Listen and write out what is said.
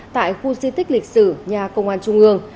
tại khu di tích lịch sử nhà công an trung ương